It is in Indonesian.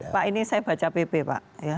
pak ini saya baca pp pak